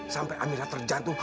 sampai amirah terjatuh